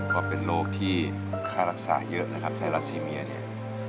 ก็เป็นโรคที่ค่ารักษาเยอะนะครับไซรัสซีเมียเนี่ย